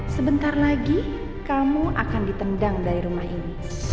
sebentar lagi kamu akan ditendang dari rumah ini